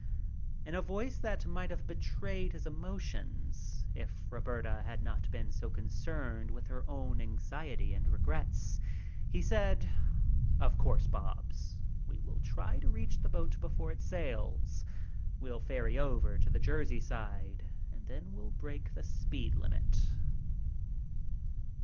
In a voice that might have betrayed his emotion if Roberta had not been so concerned with her own anxiety and regrets, he said: "Of course, Bobs, we will try to reach the boat before it sails. We'll ferry over to the Jersey side and then we'll break the speed limit."